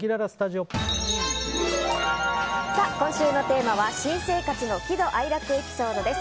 今週のテーマは新生活の喜怒哀楽エピソードです。